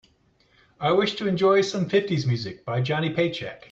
I wish to enjoy some fifties music by Johnny Paycheck.